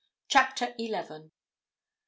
CHAPTER ELEVEN MR.